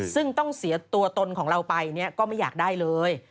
ซึ่งต้องเสียตัวตนของเราไปเนี่ยก็ไม่อยากได้เลย